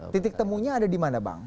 titik temunya ada di mana bang